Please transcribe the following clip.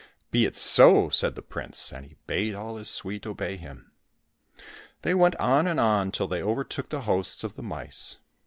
"Be it so !" said the prince, and he bade all his suite obey him. They went on and on till they overtook the hosts of the mice.